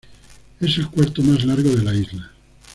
Es el cuarto más largo de la isla.